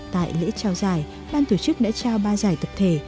tại lễ trao giải ban tổ chức đã trao ba giải tập thể